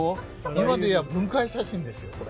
今で言や分解写真ですよこれ。